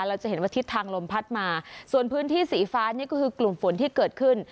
เราจะเห็นว่าทิศทางลมพัดมาส่วนพื้นที่สีฟ้านี่ก็คือกลุ่มฝนที่เกิดขึ้น